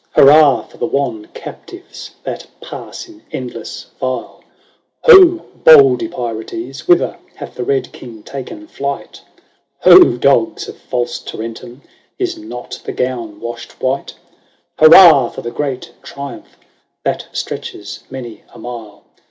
Hurrah ! for the wan captives That pass in endless file. Ho ! bold Epirotes, whither Hath the Eed King ta'en flight ? Ho ! dogs of false Tarentum, Is not the gown washed white ? XXVIII. " Hurrah ! for the great triumph That stretches many a mile.